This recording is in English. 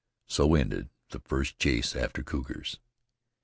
So ended the first chase after cougars.